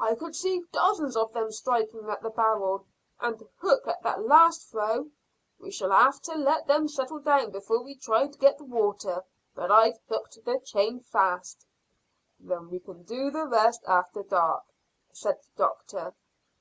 I could see dozens of them striking at the barrel and the hook at that last throw. We shall have to let them settle down before we try to get the water, but I've hooked the chain fast." "Then we can do the rest after dark," said the doctor.